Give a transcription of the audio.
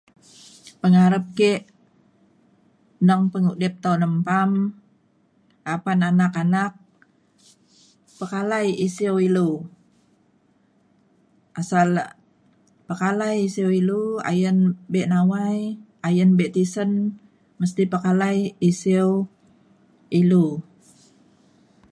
pengarap ke neng pengudip to nembam apan anak anak pekalai isiu ilu. asal um pekalai isiu ilu ayen be nawai ayen be tisen mesti pekalai isiu ilu.